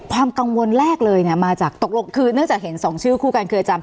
ความกังวลแรกเลยเนี่ยมาจากตกลงคือเนื่องจากเห็นสองชื่อคู่กันคืออาจารย